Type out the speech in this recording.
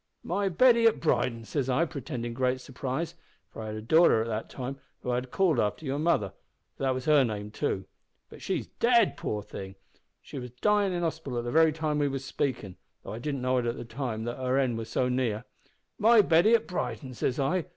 "`My Betty at Brighton!' says I pretendin' great surprise, for I had a darter at that time whom I had called after your mother, for that was her name too but she's dead, poor thing! she was dyin' in hospital at the very time we was speakin', though I didn't know at the time that her end was so near `my Betty at Brighton!' says I.